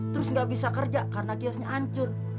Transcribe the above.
terus nggak bisa kerja karena kiosnya hancur